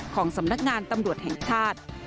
ของสำนักงานตำรวจแห่งชาติ